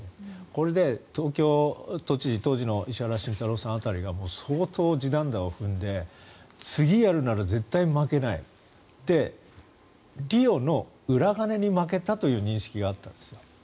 これで東京都知事当時の石原慎太郎さん辺りが相当地団太を踏んで次にやるなら絶対に負けないってリオの裏金に負けたという認識があったんです。